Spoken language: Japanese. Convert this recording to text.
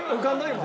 今。